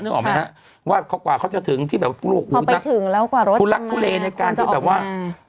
นึกออกไหมนะครับว่ากว่าเขาจะถึงที่แบบปุ๊กลุ๊กพอไปถึงแล้วกว่ารถคุณลักษณ์ผู้เลในการคือแบบว่า